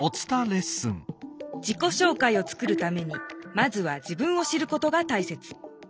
自己紹介を作るためにまずは自分を知ることが大切。